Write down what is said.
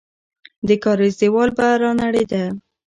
د کارېز دیوال به رانړېده.